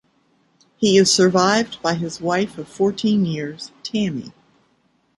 He is survived by his wife of fourteen years, Tammy.